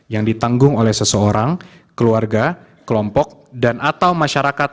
yang ditanggung oleh seseorang keluarga kelompok dan atau masyarakat